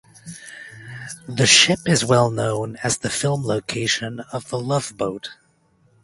The ship is well known as the film location of The Love Boat.